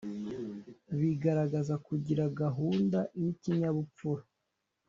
bigaragaza kugira gahunda n’ikinyabupfura